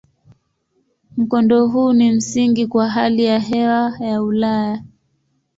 Mkondo huu ni msingi kwa hali ya hewa ya Ulaya.